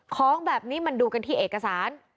ของแบบนี้มันดูกันที่เอกสาร